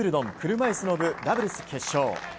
車いすの部、ダブルス決勝。